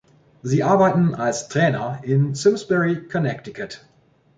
Sie arbeiten als Trainer in Simsbury, Connecticut.